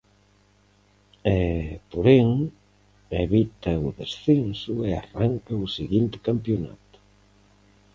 E, porén, evita o descenso e arranca o seguinte campionato.